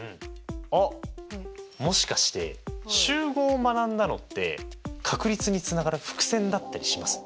あっもしかして集合を学んだのって確率につながる伏線だったりします？